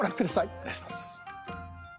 お願いします。